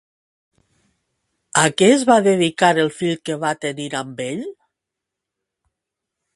A què es va dedicar el fill que va tenir amb ell?